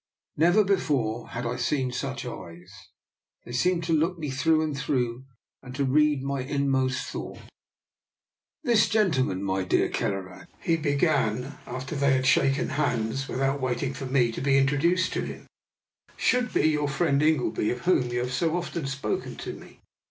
Never before had I seen such eyes; they seemed to look me through and through, and to* read my in most thoughts. " This gentleman, my dear Kelleran," he began, after they had shaken hands, and with out waiting for me to be introduced to him, " should be your friend Ingleby, of whom your have so often spoken to me.